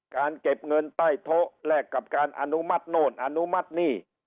การเก็บเงินใต้โต๊ะแลกกับการอนุมัติโน่นอนุมัติหนี้